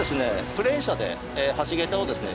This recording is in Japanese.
クレーン車で橋桁をですね